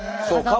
そう。